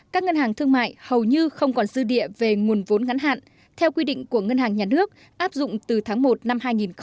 các ngân hàng thương mại hầu như không còn dư địa về nguồn vốn ngắn hạn theo quy định của ngân hàng nhà nước áp dụng từ tháng một năm hai nghìn một mươi tám